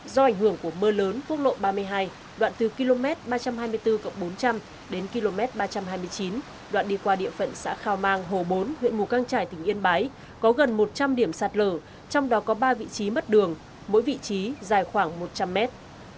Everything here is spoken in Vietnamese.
do ảnh hưởng của mưa lớn phúc lộ ba mươi hai đoạn từ km ba trăm hai mươi bốn bốn trăm linh đến km ba trăm hai mươi chín đoạn đi qua địa phận xã khao mang hồ bốn huyện mù căng trải tỉnh yên bái có gần một trăm linh điểm sạt lở trong đó có ba vị trí mất đường mỗi vị trí dài khoảng một trăm linh mét